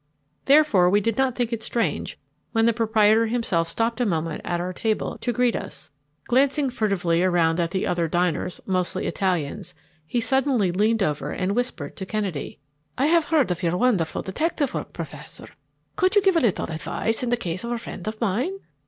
Therefore we did not think it strange when the proprietor himself stopped a moment at our table to greet us. Glancing furtively around at the other diners, mostly Italians, he suddenly leaned over and whispered to Kennedy: "I have heard of your wonderful detective work, Professor. Could you give a little advice in the case of a friend of mine?"